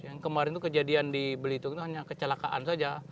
yang kemarin itu kejadian di belitung itu hanya kecelakaan saja